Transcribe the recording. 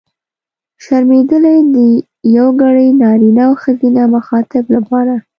شرمېدلې! د یوګړي نرينه او ښځينه مخاطب لپاره.